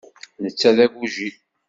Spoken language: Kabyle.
Netta d agujil.